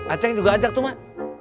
aceh juga ajak tuh mak